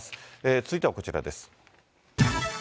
続いてはこちらです。